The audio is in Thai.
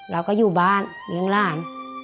เราก็อยู่บ้านเลี้ยงหลาน